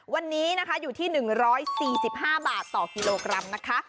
วันนี้นะคะอยู่ที่๑๔๕บาทต่อกิโลกรัมนะคะ